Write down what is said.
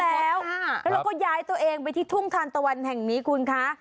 แล้วเราก็ย้ายตัวเองไปที่ทุ่งทานตะวันแห่งนี้คุณคะ